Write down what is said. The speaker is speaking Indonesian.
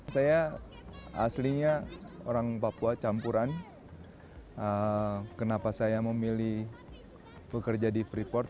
saya aslinya orang papua campuran kenapa saya memilih bekerja di freeport